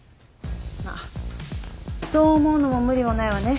まあそう思うのも無理もないわね